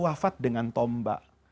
wafat dengan tombak